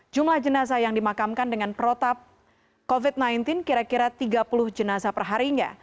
jumlah jenazah yang dimakamkan dengan protap covid sembilan belas kira kira tiga puluh jenazah perharinya